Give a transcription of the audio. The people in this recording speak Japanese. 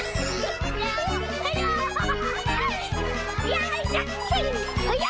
よいしょ！